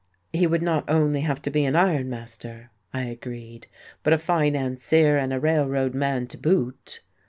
"He would not only have to be an iron master," I agreed, "but a financier and a railroad man to boot."